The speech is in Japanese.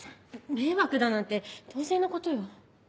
迷惑だなんて当然のことよ。